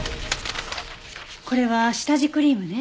これは下地クリームね。